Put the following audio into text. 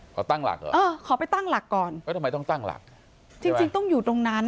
ขอตั้งหลักเหรอเออขอไปตั้งหลักก่อนจริงต้องอยู่ตรงนั้น